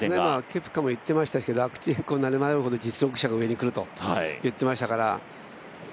ケプカも言っていましたけれども、悪天候になればなるほど実力者が上にくると言ってましたから。